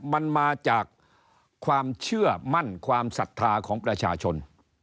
มันมาจากความเชื่อมั่นความศรัทธาของประชาชน